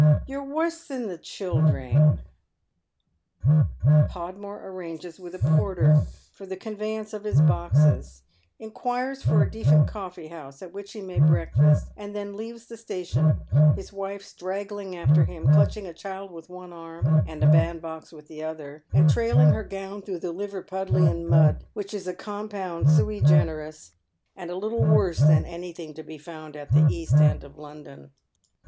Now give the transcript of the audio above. You're wuss than the childring." Podmore arranges with a porter for the conveyance of his boxes, inquires for a decent coifee houso at which he may breakfast, and then leaves the station, his wife straggling after him, clutching a child with one ann, and a bandbox with the other, and trailing her gown through the Liverpudlian nmd, which is a compound sui generis, and a little worse than anything to be found at the east end of London.